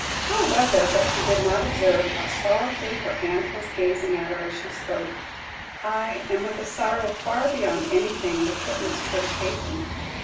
How was it that she did not observe how sorrowfully her aunt was gazing at her as she spoke; aye, and with a sorrow far beyond anything the kittens could occasion?